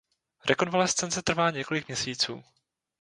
Rekonvalescence trvá několik měsíců.